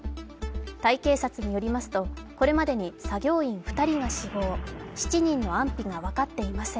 タイ警察によりますとこれまでに作業員２人が死亡、７人の安否が分かっていません。